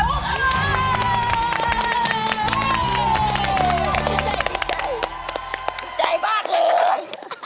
ยินดีบ้างเลย